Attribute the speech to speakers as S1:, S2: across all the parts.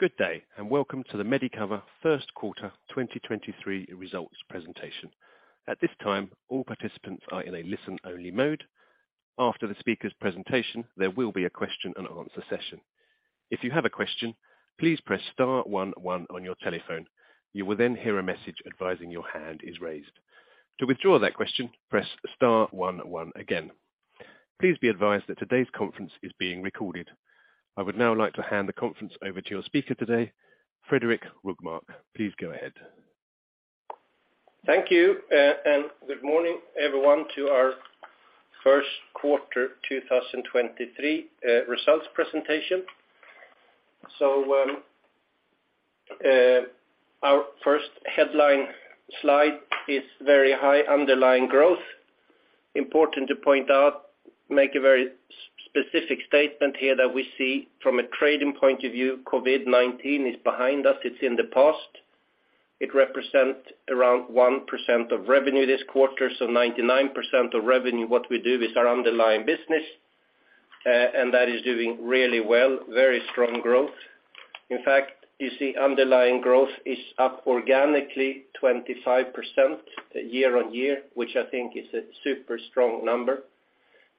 S1: Good day, welcome to the Medicover Q1 2023 Results Presentation. At this time, all participants are in a listen-only mode. After the speaker's presentation, there will be a question and answer session. If you have a question, please press star one one on your telephone. You will hear a message advising your hand is raised. To withdraw that question, press star one one again. Please be advised that today's conference is being recorded. I would now like to hand the conference over to your speaker today, Fredrik Rågmark. Please go ahead.
S2: Thank you, and good morning, everyone, to our Q1 2023 results presentation. Our first headline slide is very high underlying growth. Important to point out, make a very specific statement here that we see from a trading point of view, COVID-19 is behind us, it's in the past. It represent around 1% of revenue this quarter, so 99% of revenue, what we do is our underlying business, and that is doing really well, very strong growth. In fact, you see underlying growth is up organically 25% year-on-year, which I think is a super strong number.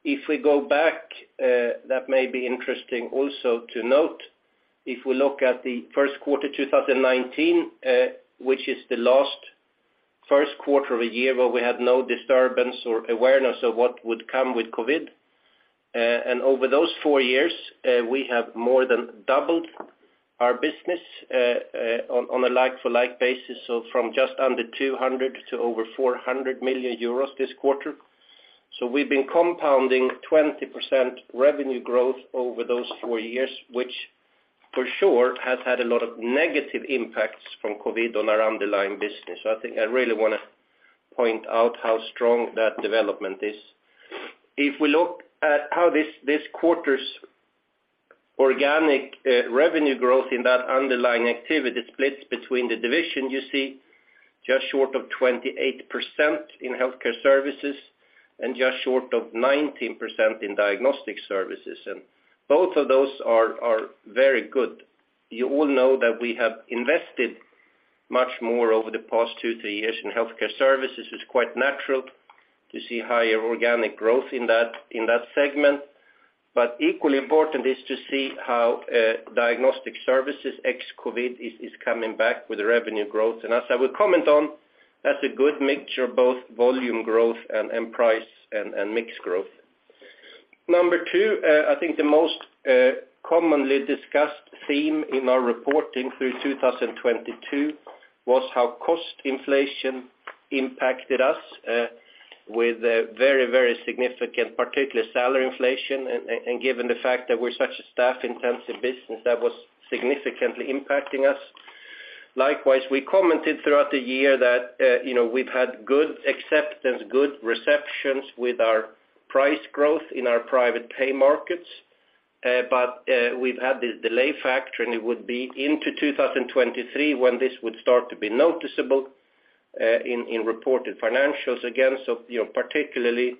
S2: If we go back, that may be interesting also to note, if we look at the Q1 2019, which is the last Q1 of a year where we had no disturbance or awareness of what would come with COVID. Over those 4 years, we have more than doubled our business on a like for like basis. From just under 200 million to over 400 million euros this quarter. We've been compounding 20% revenue growth over those 4 years, which for sure has had a lot of negative impacts from COVID on our underlying business. I think I really wanna point out how strong that development is. If we look at how this quarter's organic revenue growth in that underlying activity splits between the division, you see just short of 28% in Healthcare Services and just short of 19% in Diagnostic Services. Both of those are very good. You all know that we have invested much more over the past two, three years in Healthcare Services. It's quite natural to see higher organic growth in that segment. Equally important is to see how Diagnostic Services ex-COVID is coming back with revenue growth. As I will comment on, that's a good mixture of both volume growth and price and mix growth. Number 2, I think the most commonly discussed theme in our reporting through 2022 was how cost inflation impacted us with a very significant, particular salary inflation. Given the fact that we're such a staff-intensive business, that was significantly impacting us. Likewise, we commented throughout the year that, you know, we've had good acceptance, good receptions with our price growth in our private pay markets. But, we've had this delay factor, and it would be into 2023 when this would start to be noticeable, in reported financials again. You know, particularly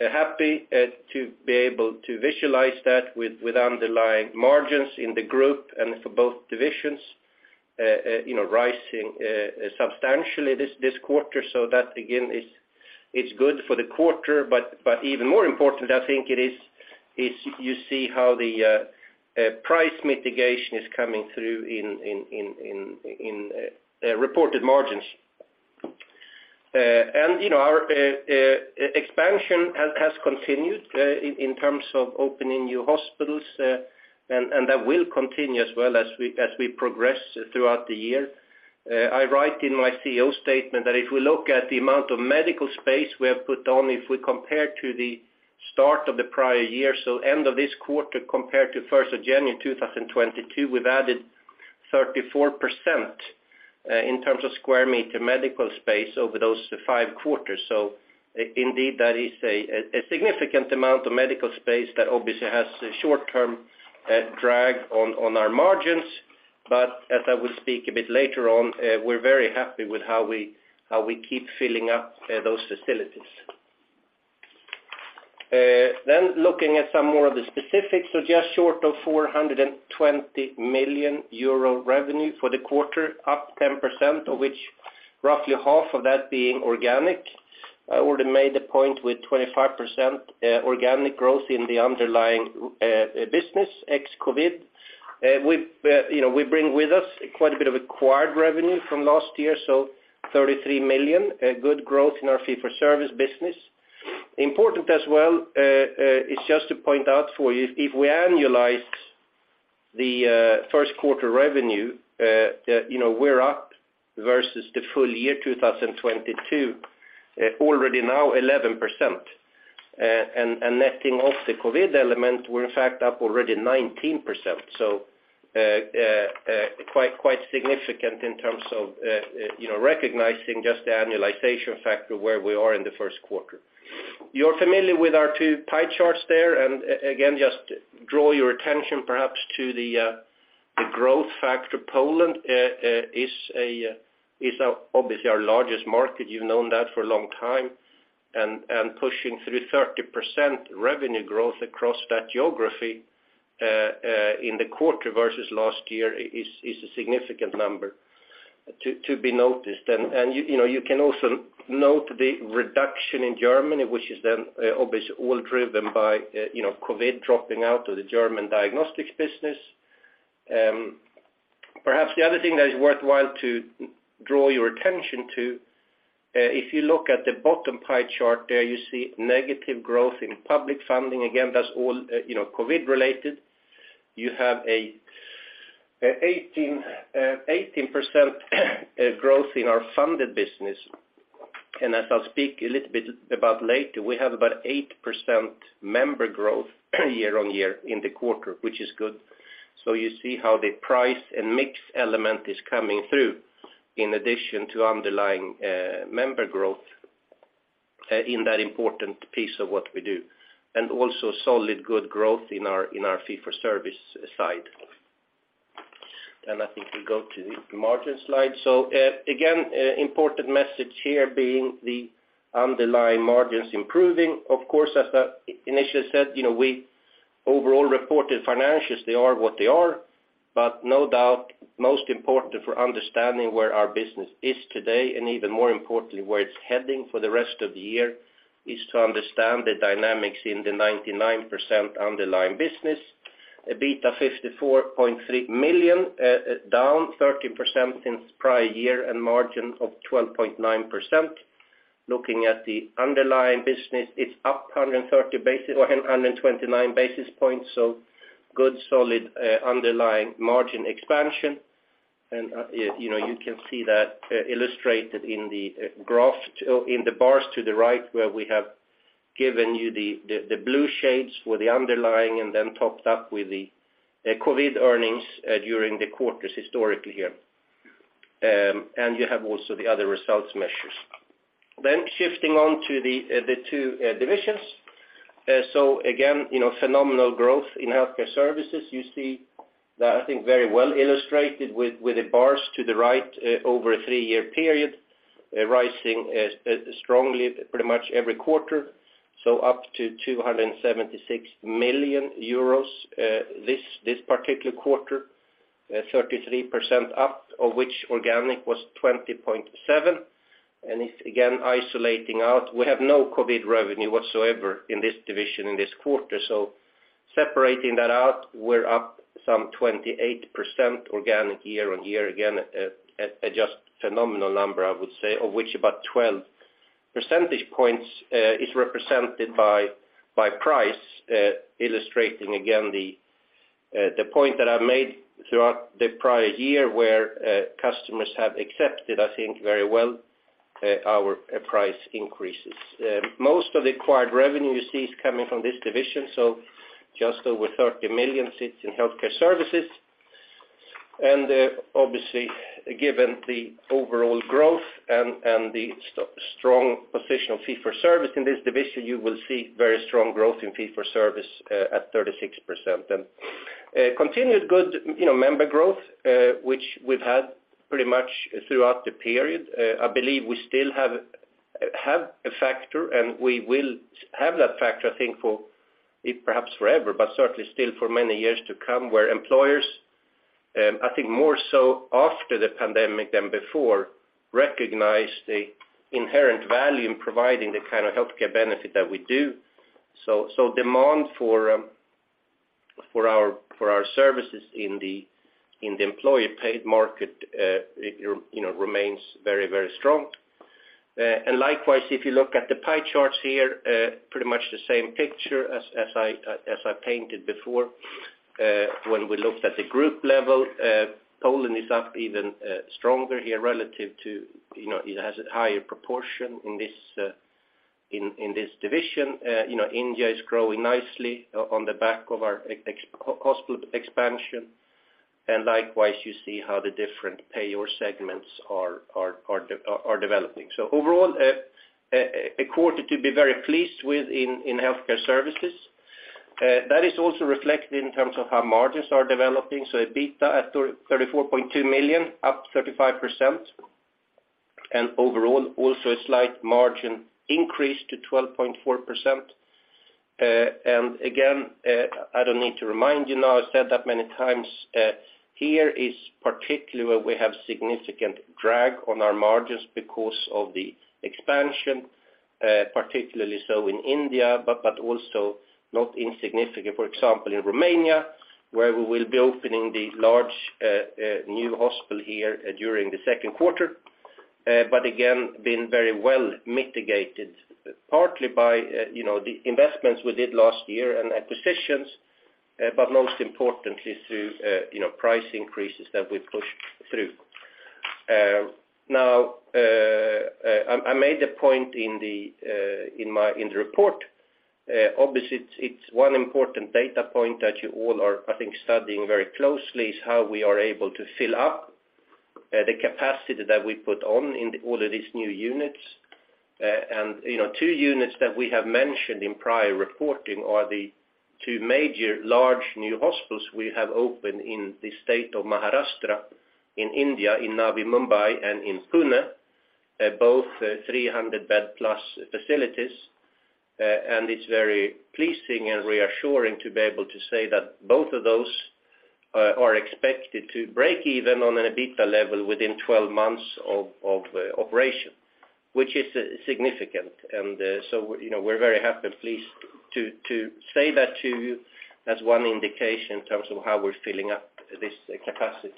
S2: happy to be able to visualize that with underlying margins in the group and for both divisions, you know, rising substantially this quarter. That again is good for the quarter, but even more important, I think it is, you see how the price mitigation is coming through in reported margins. You know, our expansion has continued in terms of opening new hospitals, and that will continue as we progress throughout the year. I write in my CEO statement that if we look at the amount of medical space we have put on, if we compare to the start of the prior year, so end of this quarter compared to first of January 2022, we've added 34% in terms of square meter medical space over those five quarters. Indeed, that is a significant amount of medical space that obviously has a short-term drag on our margins. As I will speak a bit later on, we're very happy with how we keep filling up those facilities. Looking at some more of the specifics, so just short of 420 million euro revenue for the quarter, up 10%, of which roughly half of that being organic. I already made the point with 25% organic growth in the underlying business, ex-COVID. We've, you know, we bring with us quite a bit of acquired revenue from last year, so 33 million, a good growth in our fee-for-service business. Important as well, is just to point out for you, if we annualize the Q1 revenue, you know, we're up versus the full year 2022, already now 11%. Netting off the COVID element, we're in fact up already 19%. Quite significant in terms of, you know, recognizing just the annualization factor where we are in the Q1. You're familiar with our two pie charts there, and again, just draw your attention perhaps to the growth factor. Poland is obviously our largest market. You've known that for a long time. Pushing through 30% revenue growth across that geography in the quarter versus last year is a significant number to be noticed. You know, you can also note the reduction in Germany, which is then obviously all driven by, you know, COVID dropping out of the German diagnostics business. Perhaps the other thing that is worthwhile to draw your attention to, if you look at the bottom pie chart there, you see negative growth in public funding. That's all, you know, COVID related. You have 18% growth in our funded business. As I'll speak a little bit about later, we have about 8% member growth year-on-year in the quarter, which is good. You see how the price and mix element is coming through in addition to underlying member growth in that important piece of what we do, and also solid good growth in our fee-for-service side. I think we go to the margin slide. Again, important message here being the underlying margins improving. Of course, as I initially said, you know, we overall reported financials, they are what they are, but no doubt most important for understanding where our business is today, and even more importantly, where it's heading for the rest of the year, is to understand the dynamics in the 99% underlying business. EBITDA 54.3 million, down 30% since prior year and margin of 12.9%. Looking at the underlying business, it's up 129 basis points, good solid underlying margin expansion. You know, you can see that illustrated in the graph, in the bars to the right where we have given you the blue shades for the underlying and then topped up with the COVID earnings during the quarters historically here. You have also the other results measures. Shifting on to the 2 divisions. Again, you know, phenomenal growth in Healthcare Services. You see that I think very well illustrated with the bars to the right, over a 3-year period, rising strongly pretty much every quarter, up to 276 million euros this particular quarter, 33% up of which organic was 20.7. If, again, isolating out, we have no COVID-19 revenue whatsoever in this division in this quarter. Separating that out, we're up some 28% organic year-on-year, again, a just phenomenal number, I would say, of which about 12 percentage points is represented by price, illustrating again the point that I made throughout the prior year where customers have accepted, I think, very well, our price increases. Most of the acquired revenue you see is coming from this division, so just over 30 million sits in Healthcare Services. Obviously, given the overall growth and the strong position of fee-for-service in this division, you will see very strong growth in fee-for-service, at 36%. Continued good, you know, member growth, which we've had pretty much throughout the period. I believe we still have a factor and we will have that factor, I think, for perhaps forever, but certainly still for many years to come, where employers, I think more so after the pandemic than before, recognize the inherent value in providing the kind of healthcare benefit that we do. Demand for our services in the employer paid market, you know, remains very, very strong. Likewise, if you look at the pie charts here, pretty much the same picture as I painted before, when we looked at the group level. Poland is up even stronger here relative to, you know, it has a higher proportion in this in this division. You know, India is growing nicely on the back of our hospital expansion. Likewise, you see how the different payer segments are developing. Overall, a quarter to be very pleased with in Healthcare Services. That is also reflected in terms of how margins are developing. EBITDA at 34.2 million, up 35%. Overall, also a slight margin increase to 12.4%. Again, I don't need to remind you now, I've said that many times. Here is particularly where we have significant drag on our margins because of the expansion, particularly so in India, but also not insignificant, for example, in Romania, where we will be opening the large new hospital here during the Q2. Again, been very well mitigated partly by, you know, the investments we did last year and acquisitions, but most importantly through, you know, price increases that we've pushed through. Now, I made a point in the report. Obviously it's one important data point that you all are, I think, studying very closely is how we are able to fill up the capacity that we put on in all of these new units. You know, 2 units that we have mentioned in prior reporting are the 2 major large new hospitals we have opened in the state of Maharashtra in India, in Navi Mumbai and in Pune, both 300-bed plus facilities. It's very pleasing and reassuring to be able to say that both of those are expected to break even on an EBITDA level within 12 months of operation, which is significant. You know, we're very happy and pleased to say that to you as one indication in terms of how we're filling up this capacity.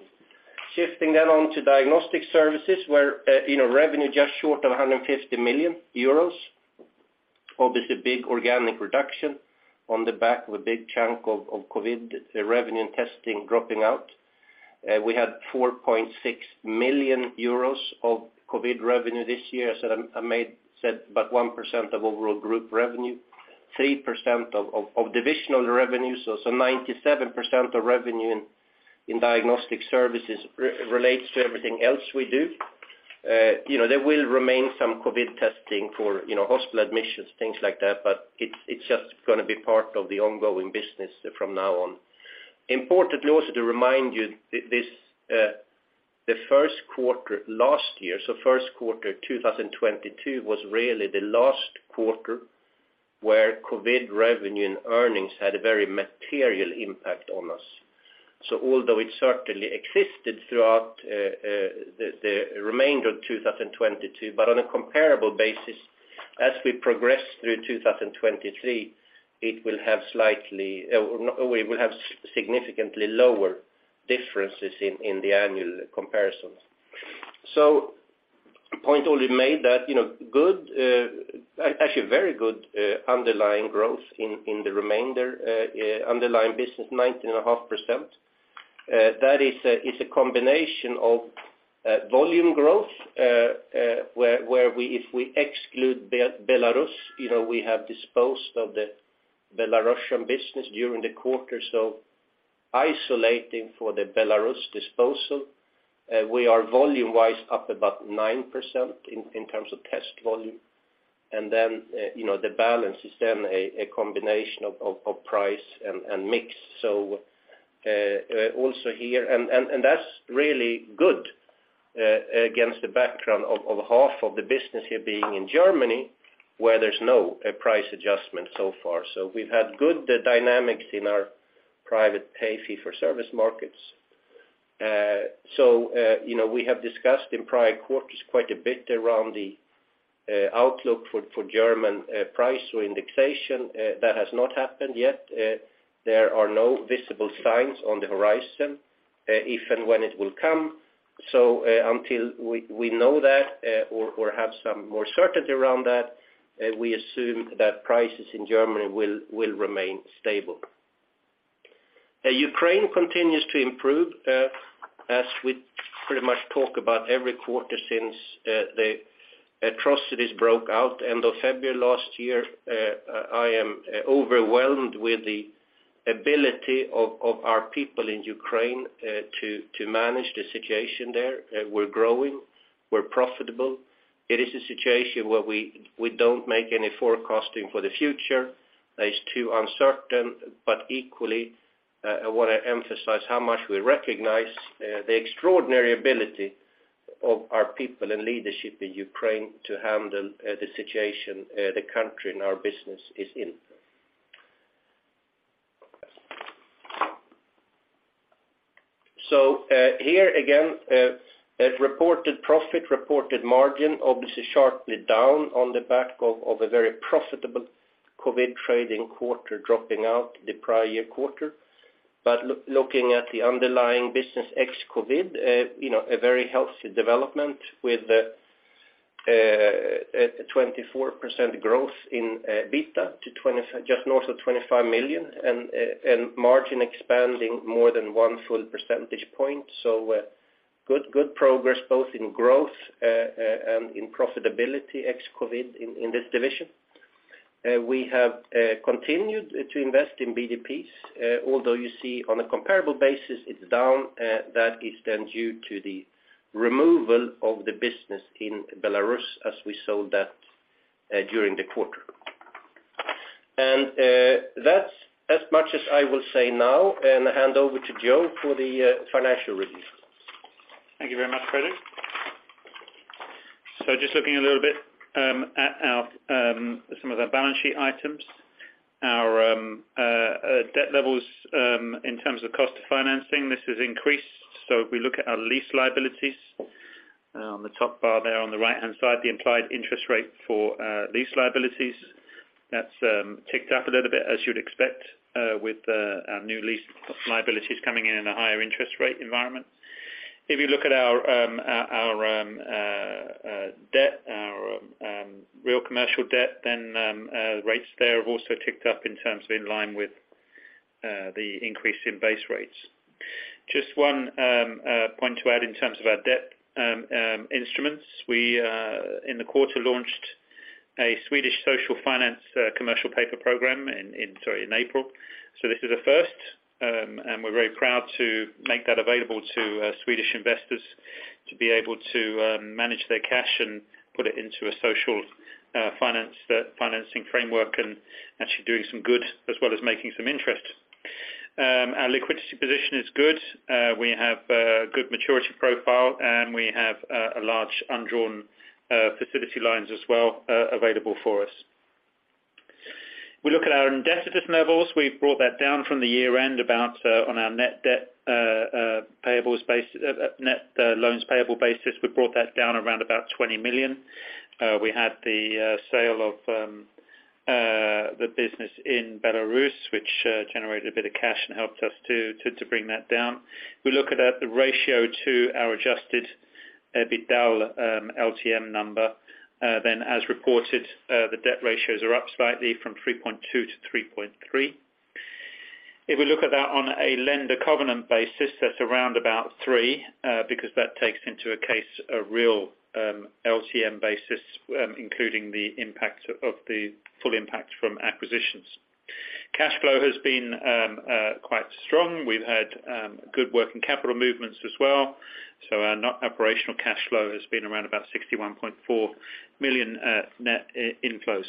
S2: Shifting on to Diagnostic Services where, you know, revenue just short of 150 million euros. Obviously a big organic reduction on the back of a big chunk of COVID revenue and testing dropping out. We had 4.6 million euros of COVID revenue this year. As I said, about 1% of overall group revenue, 3% of divisional revenue. 97% of revenue in Diagnostic Services relates to everything else we do. You know, there will remain some COVID testing for, you know, hospital admissions, things like that, but it's just gonna be part of the ongoing business from now on. Importantly, also to remind you this, the Q1 last year, so Q1 2022, was really the last quarter where COVID revenue and earnings had a very material impact on us. Although it certainly existed throughout the remainder of 2022, but on a comparable basis, as we progress through 2023, it will have slightly, we will have significantly lower differences in the annual comparisons. A point already made that, you know, good, actually very good, underlying growth in the remainder, underlying business 19.5%. That is a combination of volume growth, where we if we exclude Belarus, you know, we have disposed of the Belarusian business during the quarter. Isolating for the Belarus disposal, we are volume-wise up about 9% in terms of test volume. You know, the balance is then a combination of price and mix. Also here... that's really good against the background of half of the business here being in Germany, where there's no price adjustment so far. We've had good dynamics in our private pay fee-for-service markets. You know, we have discussed in prior quarters quite a bit around the outlook for German price or indexation. That has not happened yet. There are no visible signs on the horizon, if and when it will come. Until we know that, or have some more certainty around that, we assume that prices in Germany will remain stable. Ukraine continues to improve, as we pretty much talk about every quarter since the atrocities broke out end of February last year. I am overwhelmed with the ability of our people in Ukraine to manage the situation there. We're growing. We're profitable. It is a situation where we don't make any forecasting for the future. It's too uncertain, but equally, I wanna emphasize how much we recognize the extraordinary ability of our people and leadership in Ukraine to handle the situation the country and our business is in. Here again, as reported profit, reported margin, obviously sharply down on the back of a very profitable COVID-19 trading quarter dropping out the prior year quarter. Looking at the underlying business ex-COVID-19, you know, a very healthy development with 24% growth in EBITDA to just north of 25 million, and margin expanding more than one full percentage point. Good progress both in growth and in profitability ex-COVID-19 in this division. We have continued to invest in BD pieces, although you see on a comparable basis, it's down. That is then due to the removal of the business in Belarus as we sold that during the quarter. That's as much as I will say now, and hand over to Joe for the financial review.
S3: Thank you very much, Fredrik. Just looking a little bit at our some of our balance sheet items. Our debt levels in terms of cost of financing, this has increased. If we look at our lease liabilities on the top bar there on the right-hand side, the implied interest rate for lease liabilities, that's ticked up a little bit as you'd expect with our new lease liabilities coming in a higher interest rate environment. If you look at our our debt, our real commercial debt, then the rates there have also ticked up in terms of in line with the increase in base rates. Just one point to add in terms of our debt instruments. We in the quarter launched a Swedish Social Finance Commercial Paper Program, sorry, in April. This is a first, and we're very proud to make that available to Swedish investors. To be able to manage their cash and put it into a social finance financing framework and actually doing some good as well as making some interest. Our liquidity position is good. We have a good maturity profile, and we have a large undrawn facility lines as well available for us. We look at our indebtedness levels, we've brought that down from the year end about on our net debt payables net loans payable basis. We brought that down around about 20 million. We had the sale of the business in Belarus, which generated a bit of cash and helped us to bring that down. We look at the ratio to our adjusted EBITDA LTM number. As reported, the debt ratios are up slightly from 3.2 to 3.3. If we look at that on a lender covenant basis, that's around about 3, because that takes into a case a real LTM basis, including the impact of the full impact from acquisitions. Cash flow has been quite strong. We've had good working capital movements as well. Our not operational cash flow has been around about 61.4 million net inflow.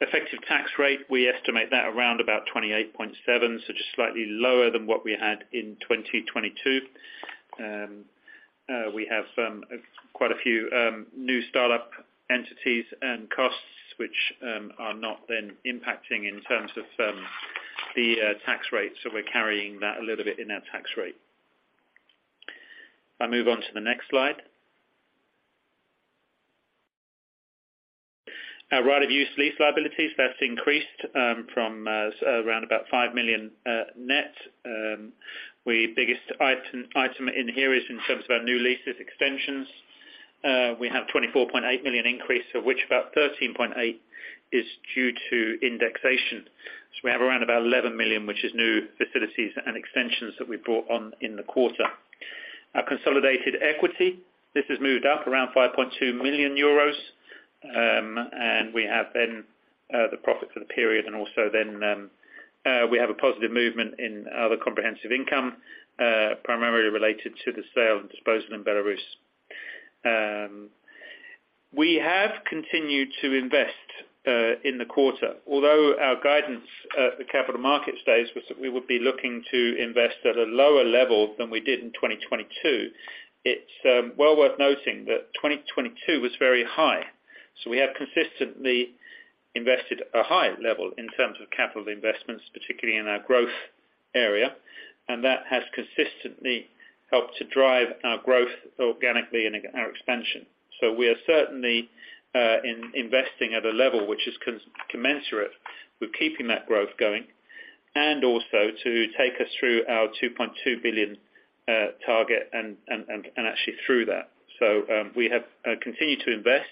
S3: Effective tax rate, we estimate that around about 28.7%, just slightly lower than what we had in 2022. We have quite a few new startup entities and costs which are not then impacting in terms of the tax rate. We're carrying that a little bit in our tax rate. If I move on to the next slide. Our right-of-use lease liabilities, that's increased from around about 5 million net. We biggest item in here is in terms of our new leases extensions. We have 24.8 million increase, which about 13.8 million is due to indexation. We have around about 11 million, which is new facilities and extensions that we brought on in the quarter. Our consolidated equity, this has moved up around 5.2 million euros. We have then the profits of the period and also then we have a positive movement in other comprehensive income, primarily related to the sale and disposal in Belarus. We have continued to invest in the quarter. Although our guidance at the capital market stage was that we would be looking to invest at a lower level than we did in 2022. It's well worth noting that 2022 was very high. We have consistently invested a high level in terms of capital investments, particularly in our growth area, and that has consistently helped to drive our growth organically and our expansion. We are certainly in investing at a level which is commensurate with keeping that growth going and also to take us through our 2.2 billion target and actually through that. We have continued to invest.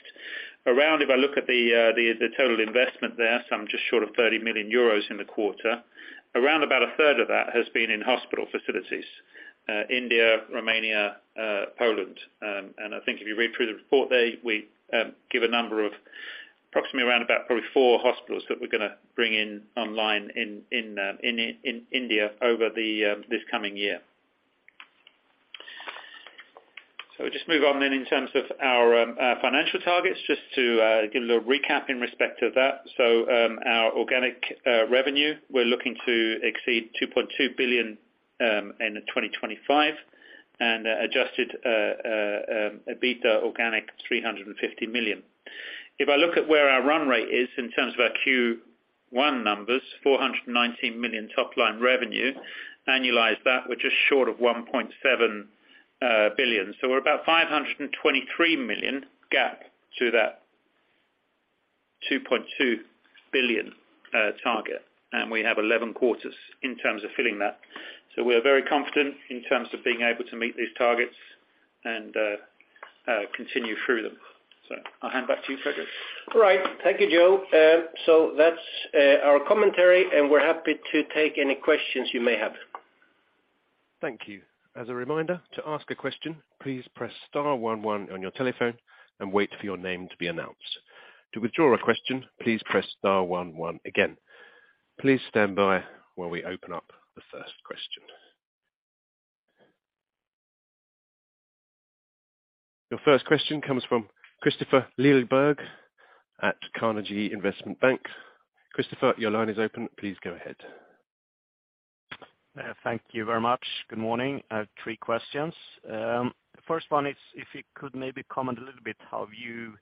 S3: If I look at the total investment there, so I'm just short of 30 million euros in the quarter. Around about a third of that has been in hospital facilities, India, Romania, Poland. I think if you read through the report there, we give a number of approximately around about probably 4 hospitals that we're gonna bring in online in India over this coming year. Just move on in terms of our financial targets, just to give a little recap in respect to that. Our organic revenue, we're looking to exceed 2.2 billion in 2025, and adjusted EBITDA organic, 350 million. If I look at where our run rate is in terms of our Q1 numbers, 419 million top line revenue, annualize that, we're just short of 1.7 billion. We're about 523 million gap to that 2.2 billion target. We have 11 quarters in terms of filling that. We are very confident in terms of being able to meet these targets and continue through them. I'll hand back to you, Fredrik.
S2: All right. Thank you, Joe. That's our commentary, and we're happy to take any questions you may have.
S1: Thank you. As a reminder, to ask a question, please press star one one on your telephone and wait for your name to be announced. To withdraw a question, please press star one one again. Please stand by while we open up the first question. Your first question comes from Kristofer Liljeberg at Carnegie Investment Bank. Christopher, your line is open. Please go ahead.
S4: Thank you very much. Good morning. I have three questions. First one is if you could maybe comment a little bit how you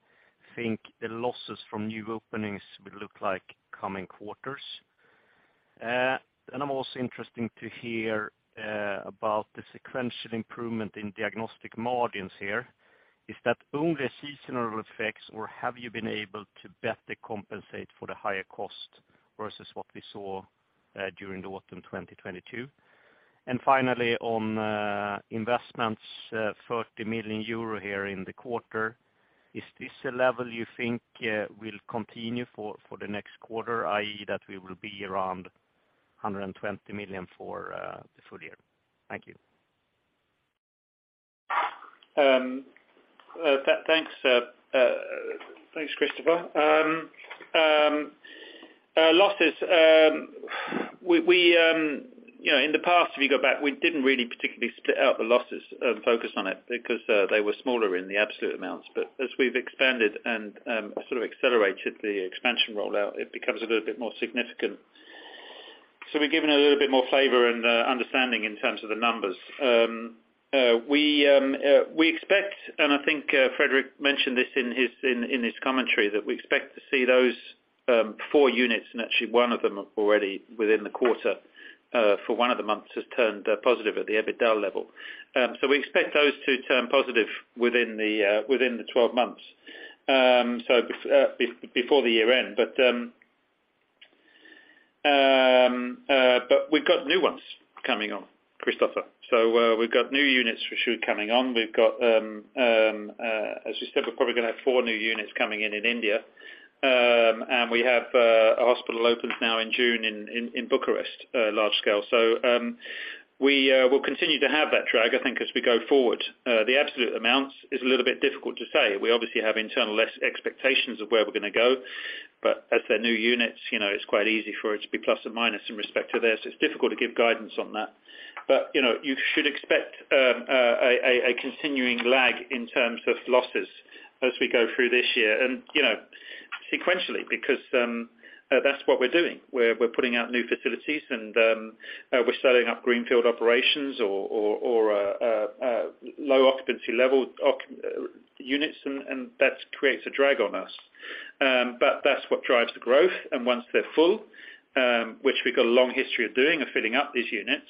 S4: think the losses from new openings will look like coming quarters. Then I'm also interesting to hear about the sequential improvement in diagnostic margins here. Is that only a seasonal effects, or have you been able to better compensate for the higher cost versus what we saw during the autumn 2022? Finally, on investments, 30 million euro here in the quarter. Is this a level you think will continue for the next quarter, i.e., that we will be around 120 million EUR for the full year? Thank you.
S3: Thanks, Kristofer. Losses, we, you know, in the past, if you go back, we didn't really particularly split out the losses and focus on it because they were smaller in the absolute amounts. As we've expanded and sort of accelerated the expansion rollout, it becomes a little bit more significant. We're giving a little bit more flavor and understanding in terms of the numbers. We expect, and I think Fredrik mentioned this in his, in his commentary, that we expect to see those four units, and actually one of them already within the quarter, for one of the months has turned positive at the EBITDA level. We expect those to turn positive within the within the 12 months before the year end. We've got new ones coming on, Kristofer. We've got new units for sure coming on. We've got, as you said, we're probably gonna have 4 new units coming in in India. We have a hospital opens now in June in Bucharest, large scale. We will continue to have that drag, I think, as we go forward. The absolute amount is a little bit difficult to say. We obviously have internal expectations of where we're gonna go. As they're new units, you know, it's quite easy for it to be plus or minus in respect to this. It's difficult to give guidance on that. You know, you should expect a continuing lag in terms of losses as we go through this year and, you know, sequentially because that's what we're doing. We're putting out new facilities and we're starting up greenfield operations or low occupancy level units, and that creates a drag on us. That's what drives the growth. Once they're full, which we've got a long history of doing, of filling up these units,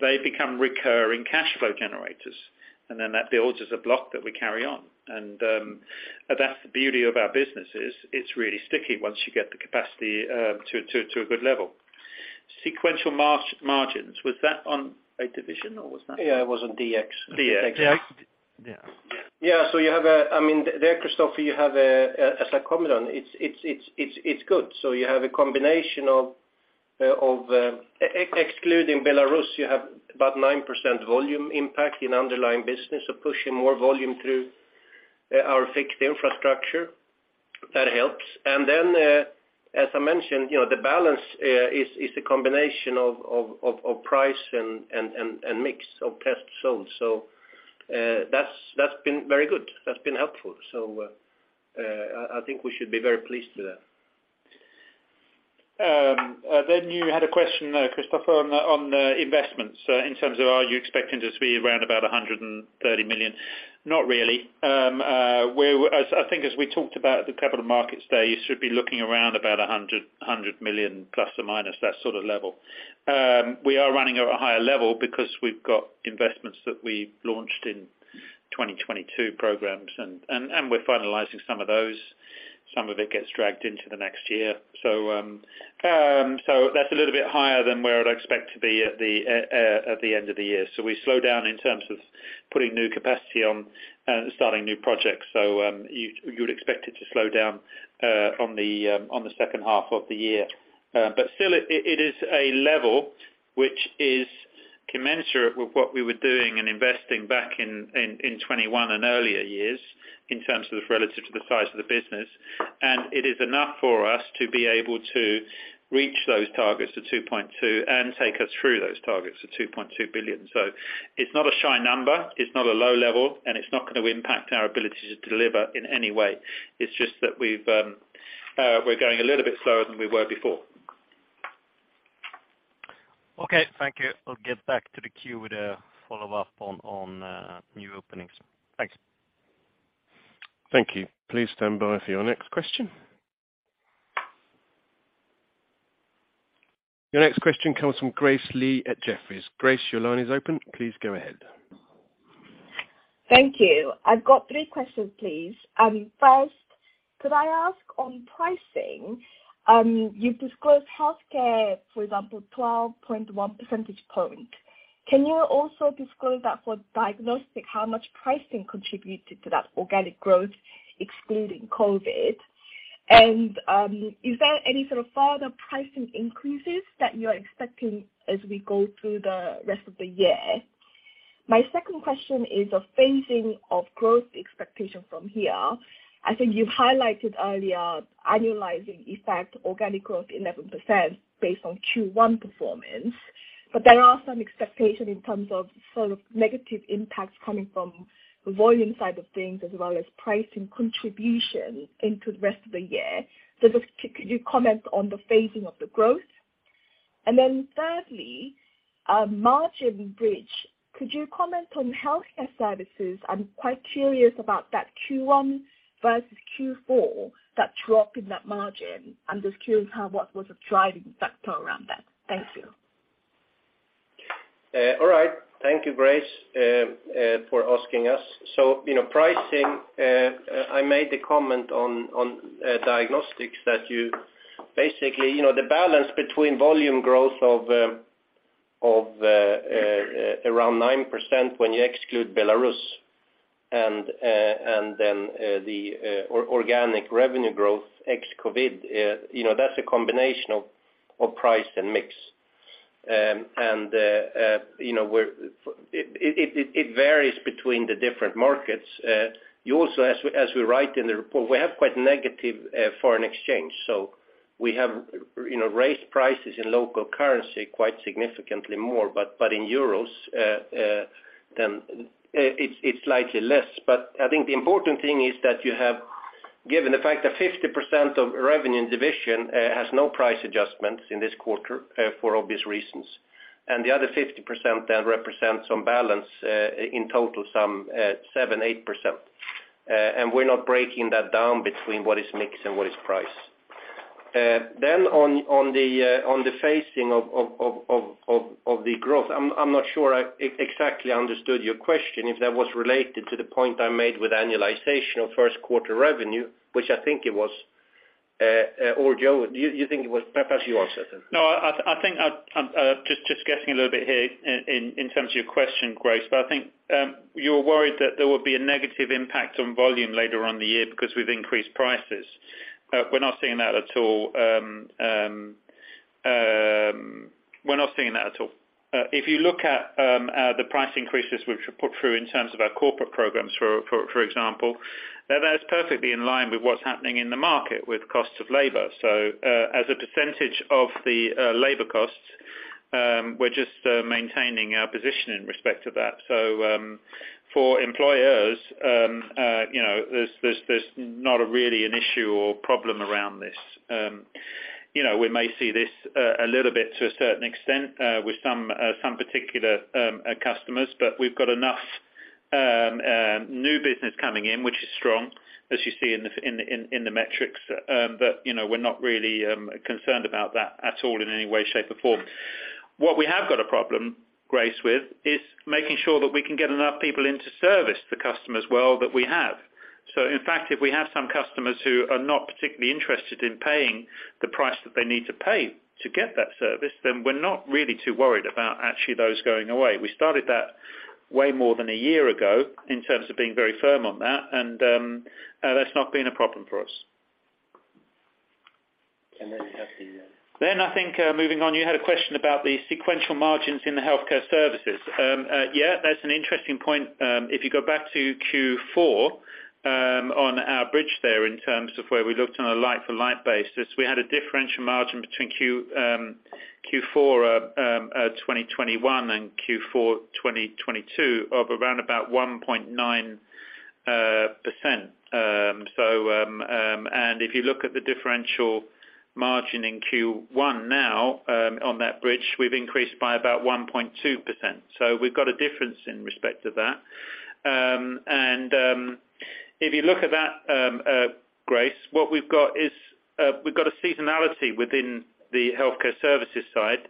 S3: they become recurring cash flow generators. That builds as a block that we carry on. That's the beauty of our business is it's really sticky once you get the capacity to a good level. Sequential margins, was that on a division or was that?
S4: Yeah, it was on DX.
S3: DX.
S4: Yeah.
S3: Yeah. I mean, there, Kristofer, you have a as like, comment on it's good. You have a combination of excluding Belarus, you have about 9% volume impact in underlying business. Pushing more volume through our fixed infrastructure. That helps. As I mentioned, you know, the balance is the combination of price and mix of tests sold. That's been very good. That's been helpful. I think we should be very pleased with that. You had a question, Kristofer, on investments in terms of are you expecting this to be around about 130 million? Not really. As I think as we talked about at the Capital Markets Day, you should be looking around about 100 million plus or minus, that sort of level. We are running at a higher level because we've got investments that we launched in 2022 programs and we're finalizing some of those. Some of it gets dragged into the next year. That's a little bit higher than where I'd expect to be at the end of the year. We slow down in terms of putting new capacity on and starting new projects. You would expect it to slow down on the second half of the year. Still it is a level which is commensurate with what we were doing and investing back in 2021 and earlier years in terms of relative to the size of the business. It is enough for us to be able to reach those targets to 2.2 and take us through those targets to 2.2 billion. It's not a shy number, it's not a low level, and it's not gonna impact our ability to deliver in any way. It's just that we've, we're going a little bit slower than we were before.
S4: Okay, thank you. I'll get back to the queue with a follow-up on new openings. Thanks.
S1: Thank you. Please stand by for your next question. Your next question comes from Grace Lee at Jefferies. Grace, your line is open. Please go ahead.
S5: Thank you. I've got three questions, please. First, could I ask on pricing, you've disclosed healthcare, for example, 12.1 percentage point. Can you also disclose that for diagnostic, how much pricing contributed to that organic growth excluding COVID? Is there any sort of further pricing increases that you're expecting as we go through the rest of the year? My second question is the phasing of growth expectation from here. I think you've highlighted earlier annualizing effect, organic growth 11% based on Q1 performance. There are some expectation in terms of sort of negative impacts coming from the volume side of things as well as pricing contribution into the rest of the year. Just could you comment on the phasing of the growth? Thirdly, margin bridge. Could you comment on healthcare services? I'm quite curious about that Q1 versus Q4, that drop in that margin. I'm just curious what was the driving factor around that? Thank you.
S2: All right. Thank you, Grace, for asking us. You know, pricing, I made the comment on diagnostics that you basically, you know, the balance between volume growth of around 9% when you exclude Belarus and then the organic revenue growth ex-COVID, you know, that's a combination of price and mix. you know, It varies between the different markets. You also as we write in the report, we have quite negative foreign exchange. We have, you know, raised prices in local currency quite significantly more. In euros, then, it's slightly less. I think the important thing is that you have, given the fact that 50% of revenue division has no price adjustments in this quarter for obvious reasons, and the other 50% that represents on balance, in total some 7%-8%. We're not breaking that down between what is mix and what is price. On the phasing of the growth, I'm not sure I exactly understood your question, if that was related to the point I made with annualization of Q1 revenue, which I think it was. Joe, do you think it was? Perhaps you answer then.
S3: No, I think I'm just guessing a little bit here in terms of your question, Grace. I think you're worried that there will be a negative impact on volume later on in the year because we've increased prices. We're not seeing that at all. We're not seeing that at all. If you look at the price increases which we put through in terms of our corporate programs, for example, that's perfectly in line with what's happening in the market with costs of labor. As a percentage of the labor costs, we're just maintaining our position in respect to that. For employers, you know, there's not really an issue or problem around this. You know, we may see this a little bit to a certain extent with some particular customers, but we've got enough new business coming in, which is strong, as you see in the metrics. You know, we're not really concerned about that at all in any way, shape, or form. What we have got a problem, Grace, with is making sure that we can get enough people in to service the customers well that we have. In fact, if we have some customers who are not particularly interested in paying the price that they need to pay to get that service, then we're not really too worried about actually those going away. We started that way more than a year ago in terms of being very firm on that, and that's not been a problem for us.
S2: you have the.
S3: I think, moving on, you had a question about the sequential margins in the Healthcare Services. Yeah, that's an interesting point. If you go back to Q4, on our bridge there in terms of where we looked on a like-for-like basis, we had a differential margin between Q4 2021 and Q4 2022 of around about 1.9%. If you look at the differential margin in Q1 now, on that bridge, we've increased by about 1.2%. We've got a difference in respect to that. If you look at that, Grace Lee, what we've got is, we've got a seasonality within the Healthcare Services side,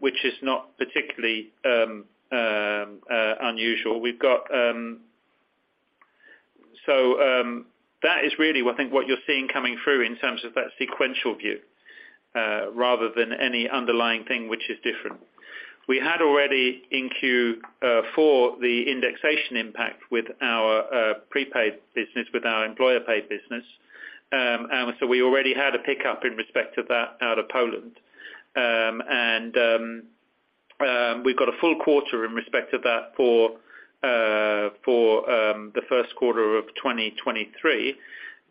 S3: which is not particularly unusual. We've got, That is really what I think what you're seeing coming through in terms of that sequential view, rather than any underlying thing which is different. We had already in Q4 the indexation impact with our prepaid business, with our employer paid business. We already had a pickup in respect to that out of Poland. We've got a full quarter in respect to that for the Q1 of 2023,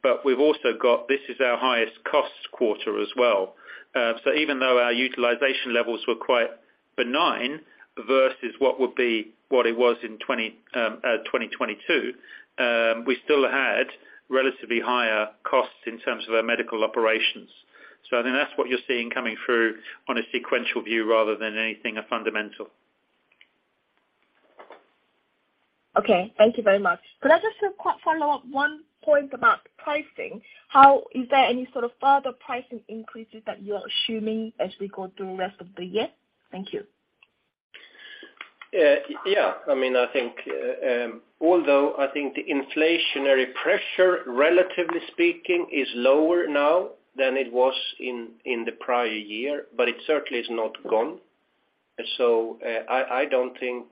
S3: but we've also got this is our highest cost quarter as well. Even though our utilization levels were quite benign versus what would be what it was in 2022, we still had relatively higher costs in terms of our medical operations. I think that's what you're seeing coming through on a sequential view rather than anything fundamental.
S5: Okay. Thank you very much. Could I just follow up one point about pricing? Is there any sort of further pricing increases that you are assuming as we go through the rest of the year? Thank you.
S2: Yeah. I mean, I think, although I think the inflationary pressure, relatively speaking, is lower now than it was in the prior year, but it certainly is not gone. I don't think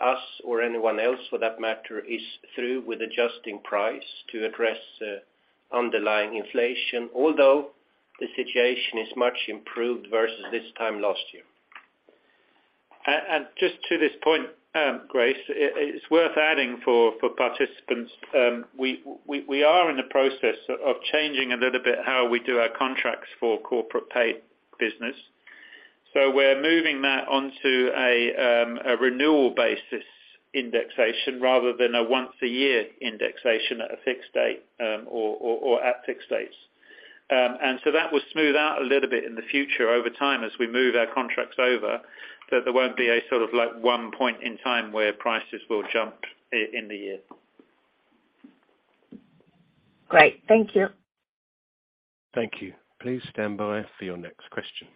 S2: us or anyone else, for that matter, is through with adjusting price to address underlying inflation, although the situation is much improved versus this time last year.
S3: Just to this point, Grace, it's worth adding for participants, we are in the process of changing a little bit how we do our contracts for corporate paid business. We're moving that onto a renewal basis indexation rather than a once a year indexation at a fixed date, or at fixed dates. That will smooth out a little bit in the future over time as we move our contracts over. There won't be a sort of like one point in time where prices will jump in the year.
S5: Great. Thank you.
S1: Thank you. Please stand by for your next question.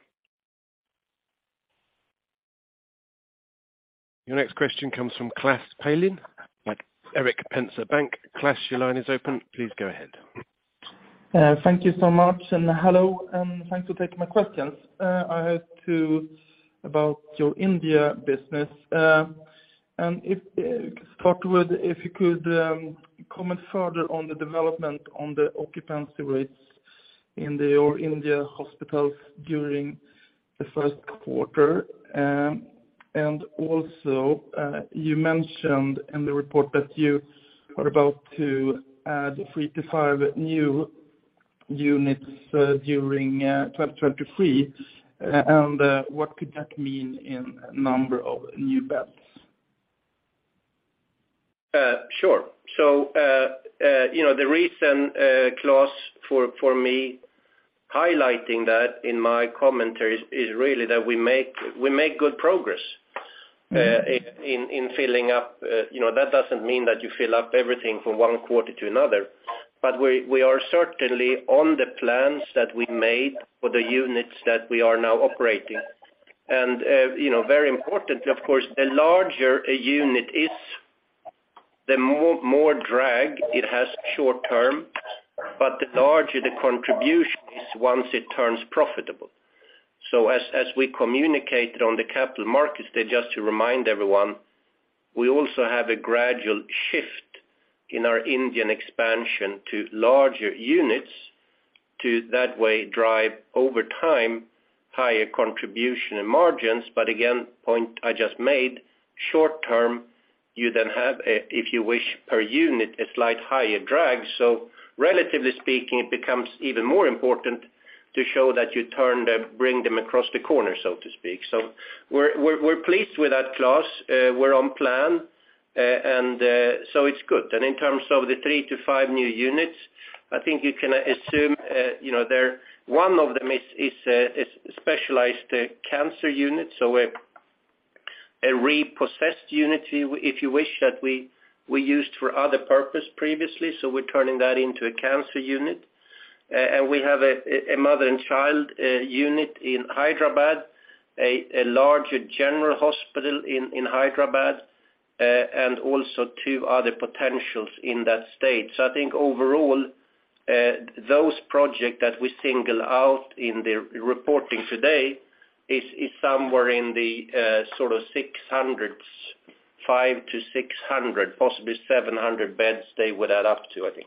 S1: Your next question comes from Klas Palin at Erik Penser Bank. Klas, your line is open. Please go ahead.
S6: Thank you so much, and hello, and thanks for taking my questions. I have two about your India business. If to start with, if you could comment further on the development on the occupancy rates in your India hospitals during the Q1. Also, you mentioned in the report that you are about to add three to five new units during 2023 and what could that mean in number of new beds?
S2: Sure. you know, the reason Klaus for me highlighting that in my commentary is really that we make good progress in filling up. you know, that doesn't mean that you fill up everything from one quarter to another, but we are certainly on the plans that we made for the units that we are now operating. you know, very importantly, of course, the larger a unit is the more drag it has short term, but the larger the contribution is once it turns profitable. as we communicated on the Capital Markets Day, just to remind everyone, we also have a gradual shift in our Indian expansion to larger units to that way drive over time, higher contribution and margins. Again, point I just made short term, you then have, if you wish, per unit, a slight higher drag. Relatively speaking, it becomes even more important to show that you turn them, bring them across the corner, so to speak. We're pleased with that Klaus. We're on plan. And so it's good. In terms of the three to five new units, I think you can assume, you know, one of them is a specialized cancer unit. So a repossessed unit if you wish, that we used for other purpose previously. We're turning that into a cancer unit. And we have a mother and child unit in Hyderabad, a larger general hospital in Hyderabad, and also two other potentials in that state. I think overall, those project that we single out in the reporting today is somewhere in the sort of 600s, 500-600, possibly 700 beds they would add up to, I think.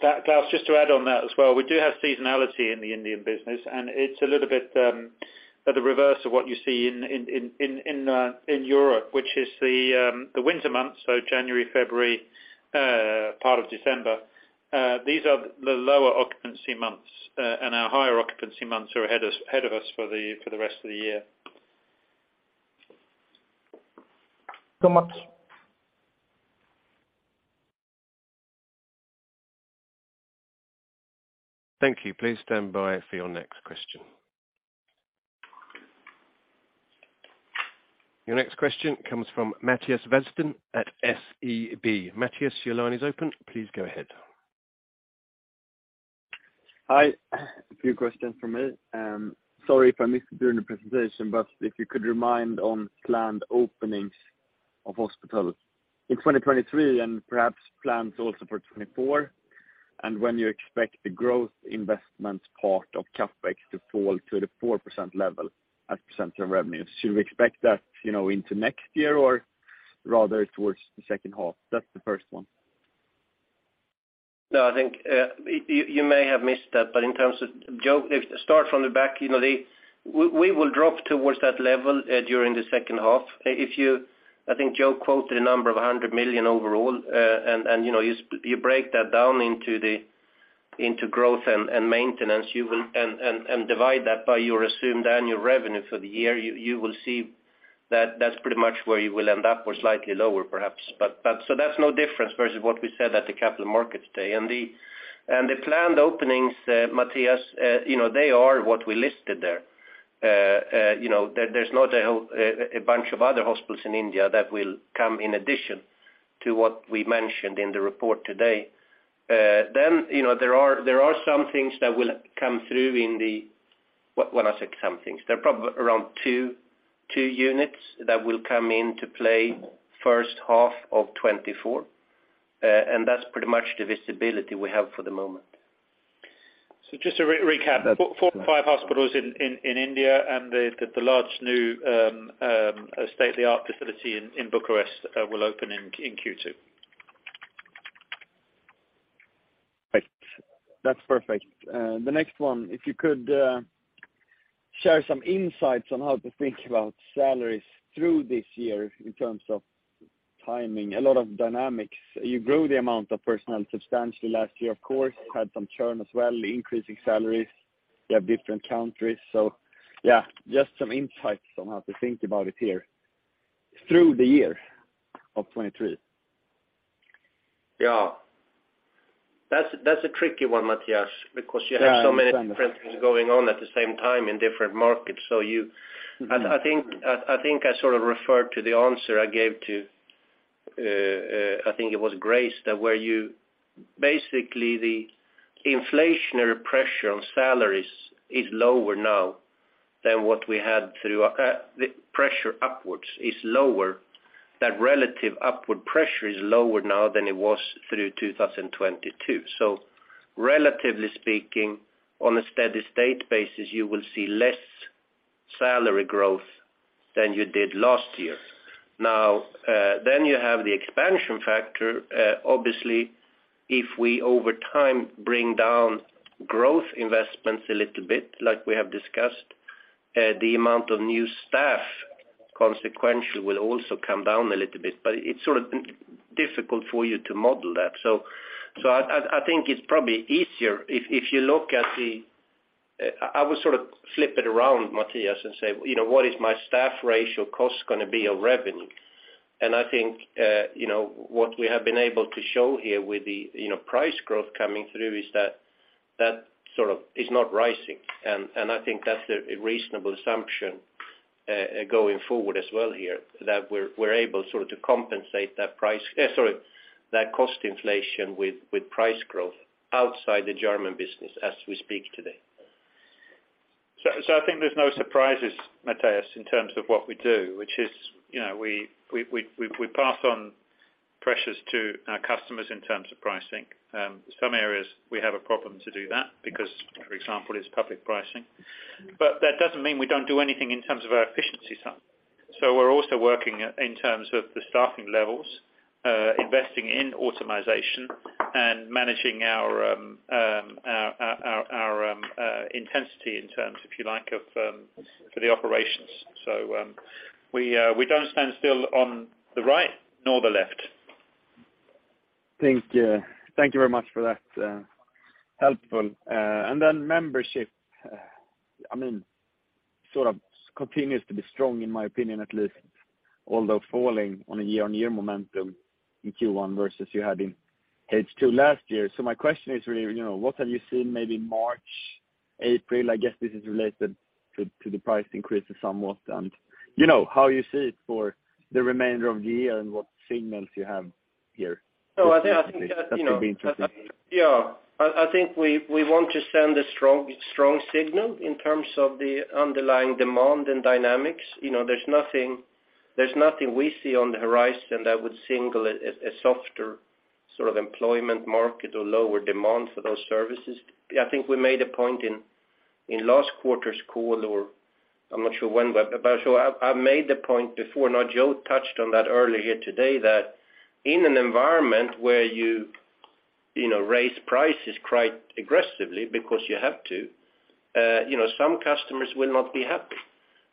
S3: Klaus, just to add on that as well. We do have seasonality in the Indian business, and it's a little bit the reverse of what you see in Europe, which is the winter months. January, February, part of December, these are the lower occupancy months. Our higher occupancy months are ahead of us for the rest of the year.
S6: Much.
S1: Thank you. Please stand by for your next question. Your next question comes from Mattias Vadsten at SEB. Mattias, your line is open. Please go ahead.
S7: Hi, a few questions from me. Sorry if I missed it during the presentation, but if you could remind on planned openings of hospitals in 2023 and perhaps plans also for 2024, and when you expect the growth investments part of CapEx to fall to the 4% level as % of revenue. Should we expect that, you know, into next year or rather towards the second half? That's the first one.
S2: No, I think you may have missed that, but in terms of Joe, if start from the back, you know, we will drop towards that level during the second half. I think Joe quoted a number of 100 million overall. You know, you break that down into growth and maintenance. You will divide that by your assumed annual revenue for the year. You will see that that's pretty much where you will end up or slightly lower perhaps, but so that's no difference versus what we said at the Capital Markets Day. The planned openings, Mattias, you know, they are what we listed there. You know, there's not a whole bunch of other hospitals in India that will come in addition to what we mentioned in the report today. You know, there are some things that will come through. When I say some things, there are around two units that will come into play first half of 2024. That's pretty much the visibility we have for the moment.
S3: Just to recap four to five hospitals in India and the large new, state-of-the-art facility in Bucharest, will open in Q2.
S7: Thanks. That's perfect. The next one, if you could share some insights on how to think about salaries through this year in terms of timing, a lot of dynamics. You grew the amount of personnel substantially last year, of course, had some churn as well, increasing salaries. You have different countries. Yeah, just some insights on how to think about it here through the year of 23.
S2: Yeah. That's a tricky one, Mattias, because you have so many different things going on at the same time in different markets. I think I sort of referred to the answer I gave to I think it was Grace Lee that where you basically the inflationary pressure on salaries is lower now than what we had through the pressure upwards is lower. That relative upward pressure is lower now than it was through 2022. Relatively speaking, on a steady state basis, you will see less salary growth than you did last year. Then you have the expansion factor. Obviously, if we, over time, bring down growth investments a little bit like we have discussed, the amount of new staff consequentially will also come down a little bit, but it's sort of difficult for you to model that. I think it's probably easier if you look at the, I would sort of flip it around Mattias and say, you know, what is my staff ratio cost gonna be of revenue? I think, you know, what we have been able to show here with the, you know, price growth coming through is that that sort of is not rising. I think that's a reasonable assumption going forward as well here, that we're able sort of to compensate that price, sorry, that cost inflation with price growth outside the German business as we speak today.
S3: I think there's no surprises Mattias, in terms of what we do, which is, you know, we pass on pressures to our customers in terms of pricing. Some areas we have a problem to do that because for example, it's public pricing. That doesn't mean we don't do anything in terms of our efficiency side. We're also working in terms of the staffing levels, investing in automation and managing our intensity in terms, if you like, of for the operations. We don't stand still on the right nor the left.
S7: Thank you very much for that helpful. Then membership, I mean, sort of continues to be strong in my opinion, at least, although falling on a year-on-year momentum in Q1 versus you had in H2 last year. My question is really, you know, what have you seen maybe March, April? I guess this is related to the price increases somewhat, and you know, how you see it for the remainder of the year and what signals you have here?
S2: No, I think that, you know.
S7: That would be interesting.
S2: I think we want to send a strong signal in terms of the underlying demand and dynamics. You know, there's nothing, there's nothing we see on the horizon that would signal a softer sort of employment market or lower demand for those services. I think we made a point in last quarter's call, or I'm not sure when, but I made the point before. Now Joe touched on that earlier today, that in an environment where you know, raise prices quite aggressively because you have to, you know, some customers will not be happy.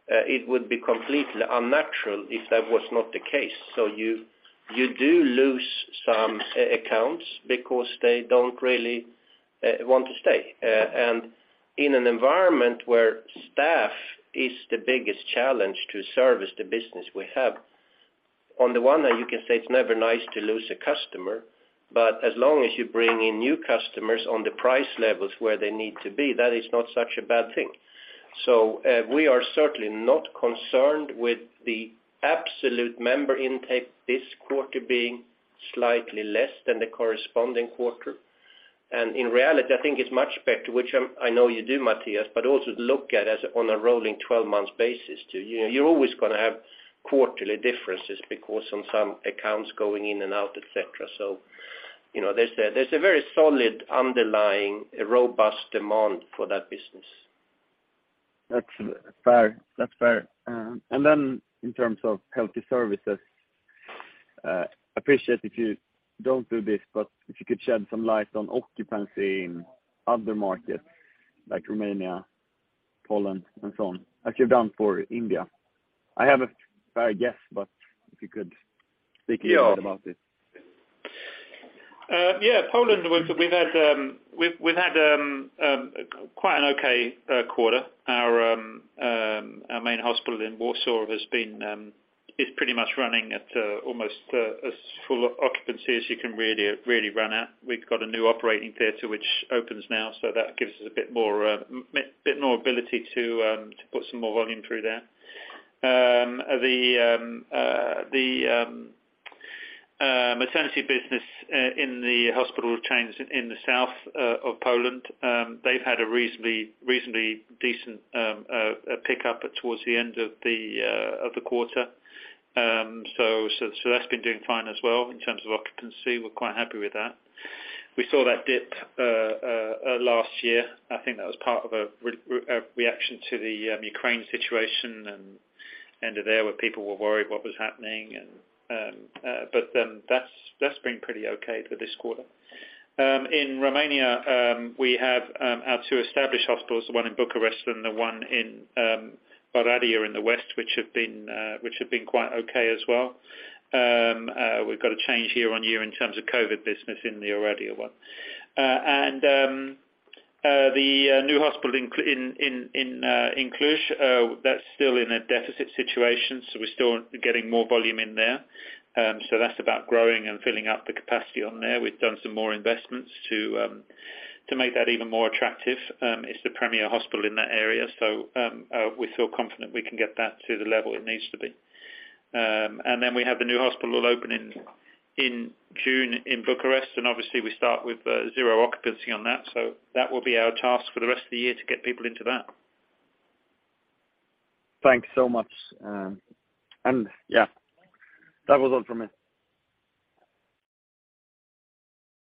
S2: It would be completely unnatural if that was not the case. You do lose some accounts because they don't really want to stay. In an environment where staff is the biggest challenge to service the business we have, on the one hand you can say it's never nice to lose a customer, but as long as you bring in new customers on the price levels where they need to be, that is not such a bad thing. We are certainly not concerned with the absolute member intake this quarter being slightly less than the corresponding quarter. In reality, I think it's much better, which I know you do Mattias, but also look at as on a rolling 12 months basis to, you know, you're always gonna have quarterly differences because on some accounts going in and out, et cetera. You know, there's a very solid underlying robust demand for that business.
S7: That's fair. That's fair. In terms of Healthcare Services, appreciate if you don't do this, but if you could shed some light on occupancy in other markets like Romania, Poland, and so on, like you've done for India. I have a fair guess, but if you could speak a little bit about it.
S3: Poland, we've had quite an okay quarter. Our main hospital in Warsaw has been is pretty much running at almost as full occupancy as you can really run at. We've got a new operating theater which opens now, so that gives us a bit more ability to put some more volume through there. The maternity business in the hospital chains in the south of Poland, they've had a reasonably decent pickup towards the end of the quarter. That's been doing fine as well in terms of occupancy. We're quite happy with that. We saw that dip last year. I think that was part of a reaction to the Ukraine situation and end of there where people were worried what was happening and, but, that's been pretty okay for this quarter. In Romania, we have our two established hospitals, the one in Bucharest and the one in Oradea in the west, which have been quite okay as well. We've got a change year-on-year in terms of COVID business in the Oradea one. The new hospital in Cluj, that's still in a deficit situation, so we're still getting more volume in there. So that's about growing and filling up the capacity on there. We've done some more investments to make that even more attractive. It's the premier hospital in that area, so we feel confident we can get that to the level it needs to be. We have the new hospital will open in June in Bucharest, and obviously we start with 0 occupancy on that. That will be our task for the rest of the year to get people into that. Thanks so much. Yeah, that was all from me.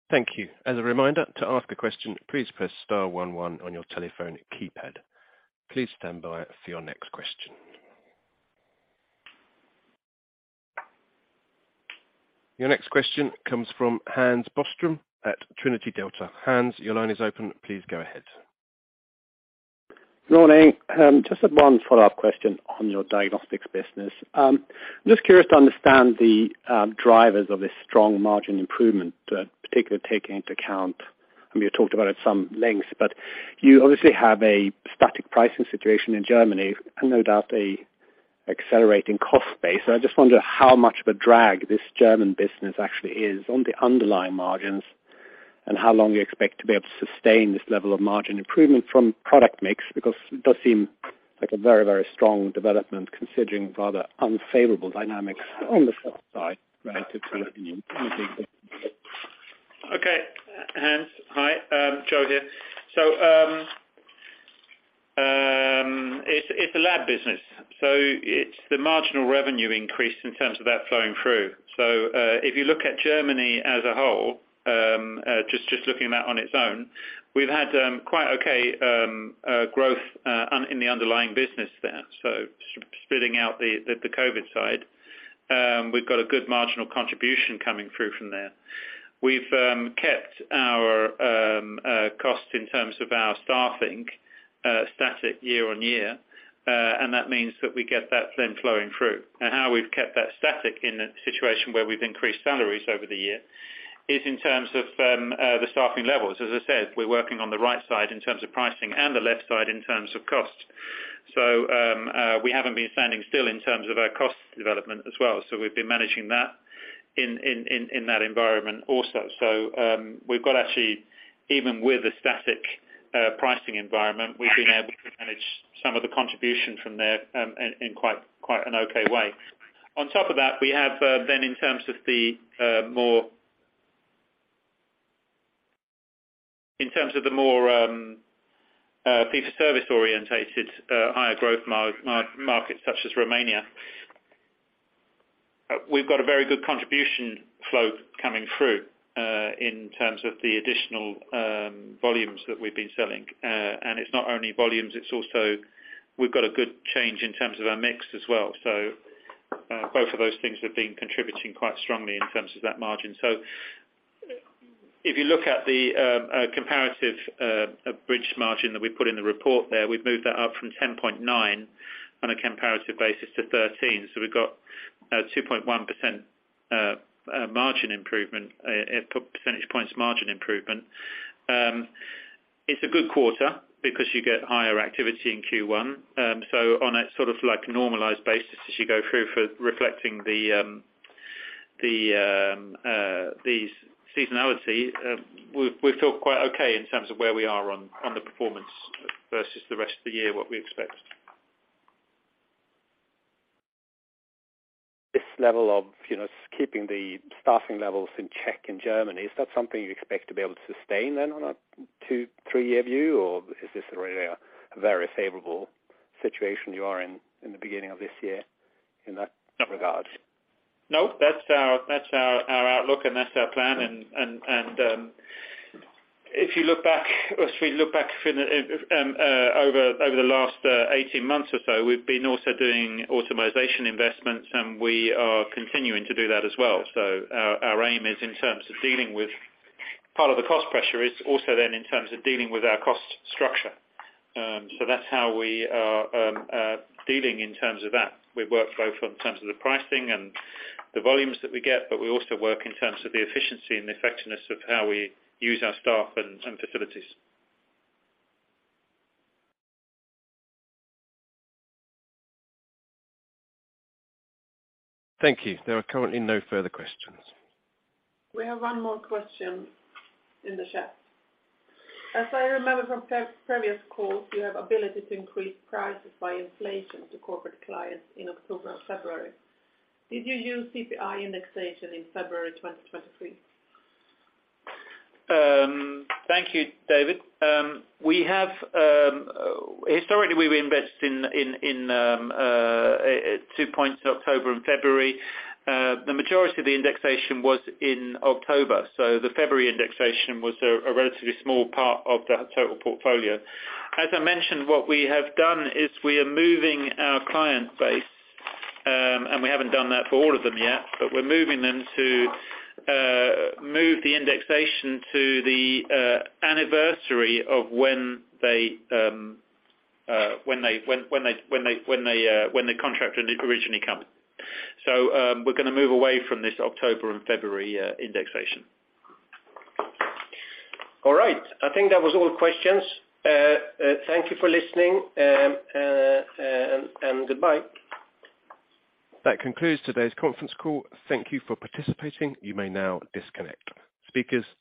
S1: Thank you. As a reminder, to ask a question, please press star one one on your telephone keypad. Please stand by for your next question. Your next question comes from Hans Boström at Trinity Delta. Hans, your line is open. Please go ahead.
S8: Morning. Just one follow-up question on your diagnostics business. Just curious to understand the drivers of this strong margin improvement, particularly taking into account. I mean, you talked about it at some length, but you obviously have a static pricing situation in Germany and no doubt an accelerating cost base. I just wonder how much of a drag this German business actually is on the underlying margins, and how long you expect to be able to sustain this level of margin improvement from product mix, because it does seem like a very, very strong development considering rather unfavorable dynamics on the sell side relative to.
S3: Okay. Hans, hi. Joe here. It's a lab business, so it's the marginal revenue increase in terms of that flowing through. If you look at Germany as a whole, just looking at that on its own, we've had quite okay growth in the underlying business there. Spitting out the COVID side. We've got a good marginal contribution coming through from there. We've kept our cost in terms of our staffing static year-on-year. That means that we get that then flowing through. Now, how we've kept that static in a situation where we've increased salaries over the year is in terms of the staffing levels. As I said, we're working on the right side in terms of pricing and the left side in terms of cost. We haven't been standing still in terms of our cost development as well. We've been managing that in that environment also. We've got actually even with a static pricing environment, we've been able to manage some of the contribution from there in quite an okay way. On top of that, we have then in terms of the more fee-for-service oriented, higher growth markets such as Romania, we've got a very good contribution flow coming through in terms of the additional volumes that we've been selling. It's not only volumes, it's also we've got a good change in terms of our mix as well. Both of those things have been contributing quite strongly in terms of that margin. If you look at the comparative bridge margin that we put in the report there, we've moved that up from 10.9 on a comparative basis to 13. We've got a 2.1% margin improvement, percentage points margin improvement. It's a good quarter because you get higher activity in Q1. On a sort of like normalized basis as you go through for reflecting the seasonality, we feel quite okay in terms of where we are on the performance versus the rest of the year, what we expect.
S8: This level of, you know, keeping the staffing levels in check in Germany, is that something you expect to be able to sustain then on a two, three-year view? Or is this really a very favorable situation you are in the beginning of this year in that regard?
S3: No, that's our outlook and that's our plan. If you look back or if we look back in over the last 18 months or so, we've been also doing automation investments, and we are continuing to do that as well. Our aim is in terms of dealing with part of the cost pressure is also then in terms of dealing with our cost structure. That's how we are dealing in terms of that. We work both in terms of the pricing and the volumes that we get, but we also work in terms of the efficiency and effectiveness of how we use our staff and facilities.
S1: Thank you. There are currently no further questions.
S9: We have one more question in the chat. As I remember from previous calls, you have ability to increase prices by inflation to corporate clients in October and February. Did you use CPI indexation in February 2023?
S3: Thank you, David. We have, historically, we've invested in, two points in October and February. The majority of the indexation was in October. The February indexation was a relatively small part of the total portfolio. As I mentioned, what we have done is we are moving our client base, and we haven't done that for all of them yet, but we're moving them to, move the indexation to the, anniversary of when they, when the contract had originally come. We're gonna move away from this October and February, indexation.
S2: All right. I think that was all the questions. Thank you for listening, and goodbye.
S1: That concludes today's conference call. Thank you for participating. You may now disconnect. Speakers, please.